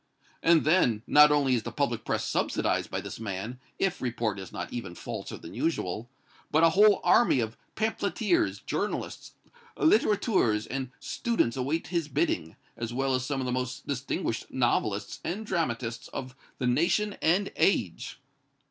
"And, then, not only is the public press subsidized by this man, if report is not even falser than usual, but a whole army of pamphleteers, journalists, littérateurs and students await his bidding, as well as some of the most distinguished novelists and dramatists of the nation and age!"